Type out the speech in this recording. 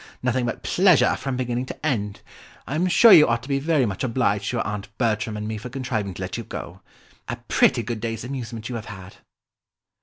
Nothing but pleasure from beginning to end! I am sure you ought to be very much obliged to your Aunt Bertram and me for contriving to let you go. A pretty good day's amusement you have had."